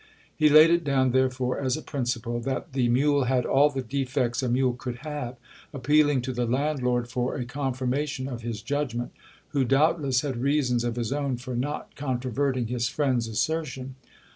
He laid it down, therefore, as a principle, that the mule had all the defects a mule could have : appealing to the landlord for a confirmation of his judgment, who, doubtless, had reasons of his own for not controverting his friend's assertion.